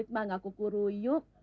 banga kuku ruyuk